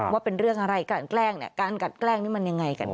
ว่าเป็นเรื่องอะไรกรรแกล้งนี่แมนยังไง